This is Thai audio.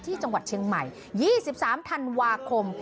ที่จังหวัดเชียงใหม่๒๓ธันวาคม